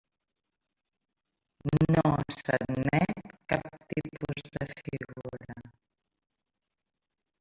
NO s'admet cap tipus de figura.